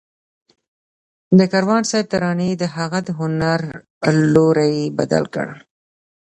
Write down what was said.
د کاروان صاحب ترانې د هغه د هنر لوری بدل کړ